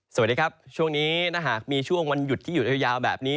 สวัสดีครับช่วงนี้ถ้าหากมีช่วงวันหยุดที่หยุดยาวแบบนี้